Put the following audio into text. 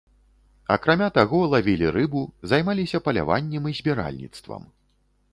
Акрамя таго, лавілі рыбу, займаліся паляваннем і збіральніцтвам.